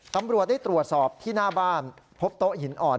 ตำรวจได้ตรวจสอบที่หน้าบ้านพบโต๊ะหินอ่อน